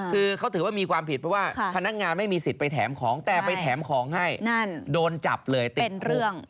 คือเขาถือว่ามีความผิดเพราะว่าพนักงานไม่มีสิทธิ์ไปแถมของแต่ไปแถมของให้โดนจับเลยติดเรื่อง